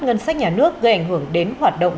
ngân sách nhà nước gây ảnh hưởng đến hoạt động